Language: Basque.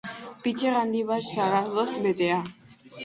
Pitxer handi bat sagardoz betea.